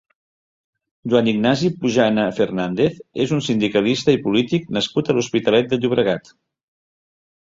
Joan Ignasi Pujana Fernández és un sindicalista i polític nascut a l'Hospitalet de Llobregat.